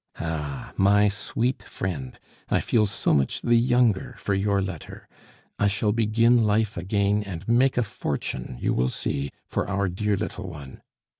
"Ah, my sweet friend, I feel so much the younger for your letter! I shall begin life again and make a fortune, you will see, for our dear little one.